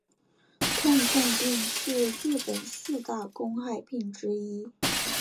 痛痛病是日本四大公害病之一。